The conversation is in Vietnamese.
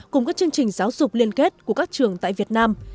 cùng các chương trình giáo dục liên kết của các trường tại việt nam